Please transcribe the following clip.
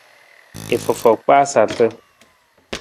I fofo kpaa sarata.